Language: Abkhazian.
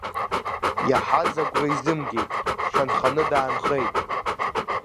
Иаҳаз агәра изымгеит, дшанханы даанхеит.